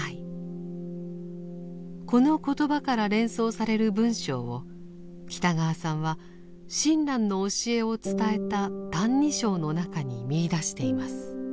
この言葉から連想される文章を北川さんは親鸞の教えを伝えた「歎異抄」の中に見いだしています。